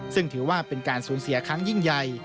ซึ่งถือว่าเป็นการสูญเสียครั้งยิ่งใหญ่